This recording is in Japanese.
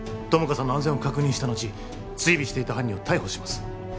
友果さんの安全を確認した後追尾していた犯人を逮捕します